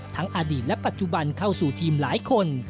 อดีตและปัจจุบันเข้าสู่ทีมหลายคน